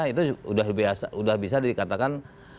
itu sudah bisa dikatakan